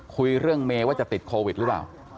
คุยเรื่องเมย์ว่าจะติดโควิดหรือเปล่า